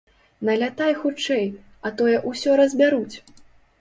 Налятай хутчэй, а тое ўсё разбяруць!